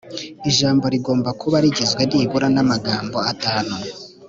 ijambo rigomba kuba rigizwe nibura namagambo atanu